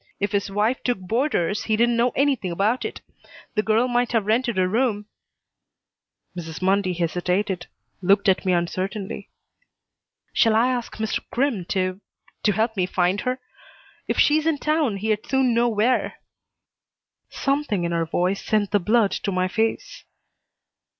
If his wife took boarders he didn't know anything about it. The girl might have rented a room " Mrs. Mundy hesitated, looked at me uncertainly. "Shall I ask Mr. Crimm to to help me find her? If she's in town he'd soon know where." Something in her voice sent the blood to my face.